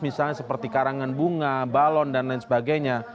misalnya seperti karangan bunga balon dan lain sebagainya